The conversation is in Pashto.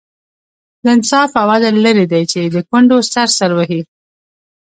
له انصاف او عدل لرې دی چې د کونډو سر سر وهي.